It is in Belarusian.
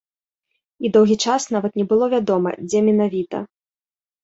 І доўгі час нават не было вядома, дзе менавіта.